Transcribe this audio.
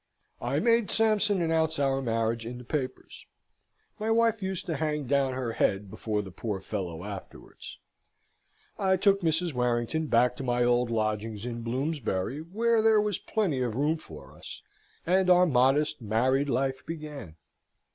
I made Sampson announce our marriage in the papers. (My wife used to hang down her head before the poor fellow afterwards.) I took Mrs. Warrington back to my old lodgings in Bloomsbury, where there was plenty of room for us, and our modest married life began.